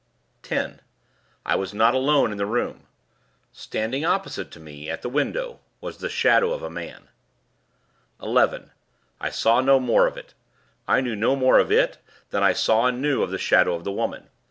"10. I was not alone in the room. Standing opposite to me at the window was the Shadow of a Man. "11. I saw no more of it; I knew no more of it than I saw and knew of the shadow of the woman.